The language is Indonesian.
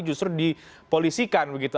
justru dipolisikan begitu